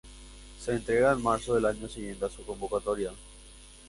Se entrega en marzo del año siguiente a su convocatoria.